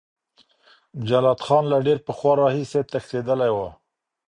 جلات خان له ډیر پخوا راهیسې تښتېدلی و.